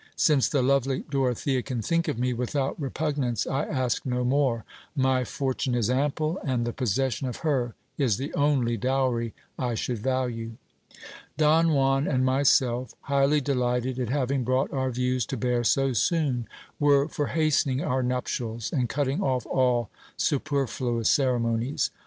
Since the lovely Dorothea can think of me without repug nance, I ask no more : my fortune is ample, and the possession of her is the only dowry I should value. Don Juan and myself, highly delighted at having brought our views to bear so soon, were for hastening our nuptials, and cutting off all superfluous cere monies.